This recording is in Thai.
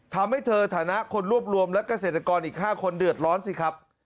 ทำให้เธอฐานะคนรวบรวมและเกษตรกรอีก๕คนเดือดร้อนสิครับ